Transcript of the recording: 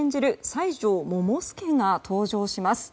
西条桃介が登場します。